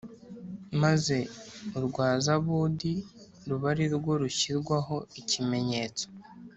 maze urwa zabudi ruba ari rwo rushyirwaho ikimenyetso.